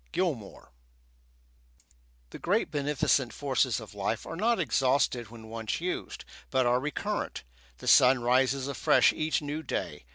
_ FAIRY SONG The great beneficent forces of life are not exhausted when once used, but are recurrent. The sun rises afresh each new day.